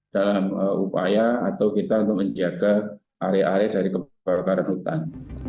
dalam upaya atau kita untuk menjaga area area dari kebakaran hutan